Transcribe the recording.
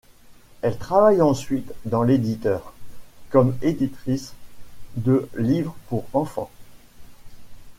Elle travaille ensuite dans l'éditeur, comme éditrice de livres pour enfants.